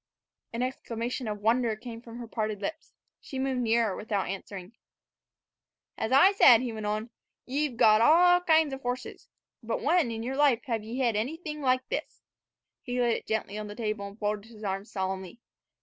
An exclamation of wonder came from her parted lips. She moved nearer without answering. "As I said," he went on, "y' 've got all kinds of horses; but when in yer life hev ye hed anything like this?" He laid it gently on the table, and folded his arms solemnly.